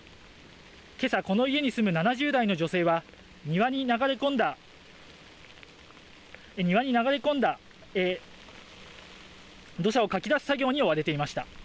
けさ、この家に住む７０代の女性は、庭に流れ込んだ土砂をかき出す作業に追われていました。